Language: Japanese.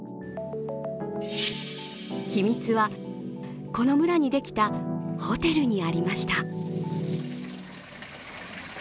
秘密は、この村にできたホテルにありました。